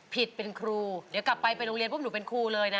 เป็นครูเดี๋ยวกลับไปไปโรงเรียนปุ๊บหนูเป็นครูเลยนะ